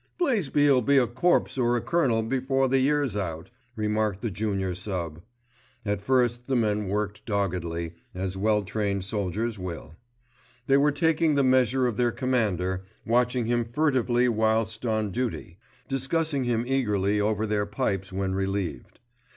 "Blaisby'll be a corpse or a colonel before the year's out," remarked the junior sub. At first the men worked doggedly, as well trained soldiers will. They were taking the measure of their commander, watching him furtively whilst on duty, discussing him eagerly over their pipes when relieved.